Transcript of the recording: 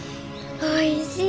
おいしい。